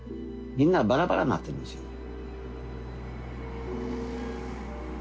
みんなバラバラになってるんですよ。